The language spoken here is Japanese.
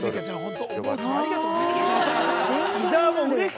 ◆ありがとうございます。